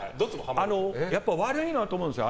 やっぱり悪いなと思うんですよ。